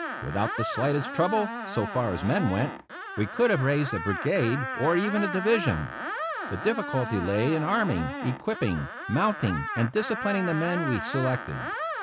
Without the slightest trouble, so far as men went, we could have raised a brigade or even a division. The difficulty lay in arming, equipping, mounting, and disciplining the men we selected.